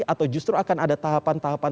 atau justru akan ada tahapan tahapan